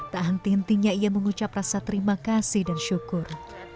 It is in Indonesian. tak henti hentinya ia mengucap rasa terima kasih dan syukur